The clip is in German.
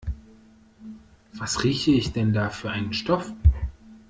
Was rieche ich denn da für einen Stoff?